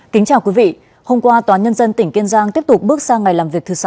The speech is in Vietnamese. kính chào quý vị hôm qua tòa nhân dân tỉnh kiên giang tiếp tục bước sang ngày làm việc thứ sáu